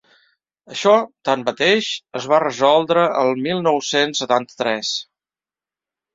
Això, tanmateix, es va resoldre el mil nou-cents setanta-tres.